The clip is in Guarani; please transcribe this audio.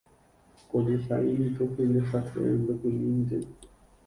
Ko jehai niko hembiasakue mbykymínte.